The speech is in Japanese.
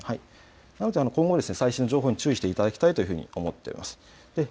なので今後、最新の情報に注意していただきたいと思っています。